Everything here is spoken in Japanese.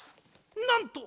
なんと！